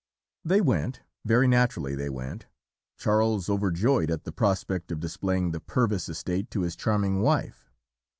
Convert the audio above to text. "They went, very naturally they went Charles overjoyed at the prospect of displaying the Purvis estate to his charming wife.